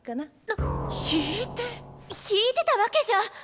ひいてたわけじゃ。